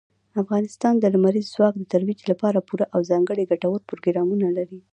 افغانستان د لمریز ځواک د ترویج لپاره پوره او ځانګړي ګټور پروګرامونه لري.